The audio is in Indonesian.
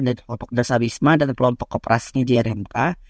dari kelompok dasawisma dan kelompok koperasnya jrmk